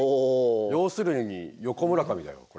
要するにヨコ村上だよこれ。